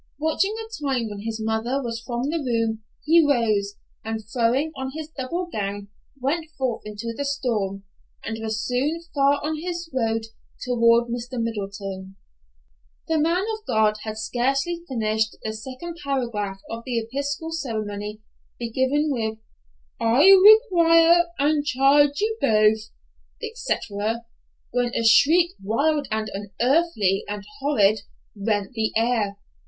Watching a time when his mother was from the room, he rose, and throwing on his double gown, went forth into the storm, and was soon far on his road toward Mr. Middleton. The man of God had scarcely finished the second paragraph of the Episcopal ceremony, beginning with, "I require and charge you both," etc., when a shriek, wild and unearthly and horrid, rent the air.